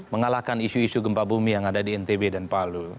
mengalahkan isu isu gempa bumi yang ada di ntb dan palu